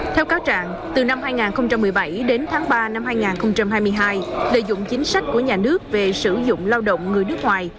theo cáo trạng từ năm hai nghìn một mươi bảy đến tháng ba năm hai nghìn hai mươi hai lợi dụng chính sách của nhà nước về sử dụng lao động người nước ngoài